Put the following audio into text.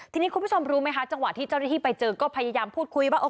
ทีนี้คุณผู้ชมรู้ไหมคะจังหวะที่เจ้าหน้าที่ไปเจอก็พยายามพูดคุยว่า